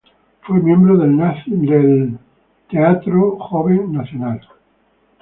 Fue miembro del National Youth Theatre.